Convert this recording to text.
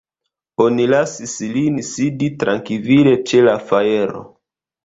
Oni lasis lin sidi trankvile ĉe la fajro.